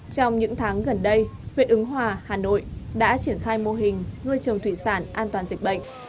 trong những tháng gần đây huyện ứng hòa hà nội đã triển khai mô hình nuôi trồng thủy sản an toàn dịch bệnh